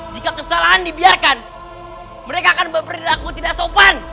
jika kesalahan dibiarkan mereka akan berperilaku tidak sopan